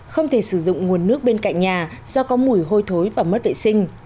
không thể sử dụng nguồn nước bên cạnh nhà do có mùi hôi thối và mất vệ sinh